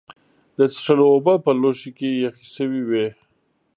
د څښلو اوبه په لوښي کې یخې شوې وې.